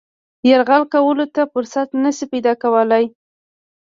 یرغل کولو ته فرصت نه شي پیدا کولای.